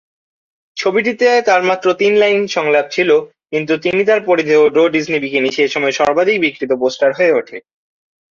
ছবিটিতে তার মাত্র তিন লাইন সংলাপ ছিল, কিন্তু তিনি তার পরিধেয় ডো-স্কিন বিকিনি সে সময়ে সর্বাধিক বিক্রিত পোস্টার হয়ে ওঠে।